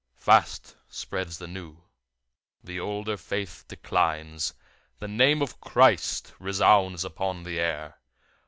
Fast spreads the new; the older faith declines. The name of Christ resounds upon the air.